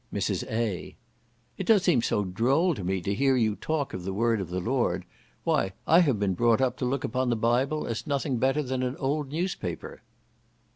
Mrs. A. "It does seem so droll to me, to hear you talk of "the Word of the Lord." Why, I have been brought up to look upon the Bible as nothing better than an old newspaper."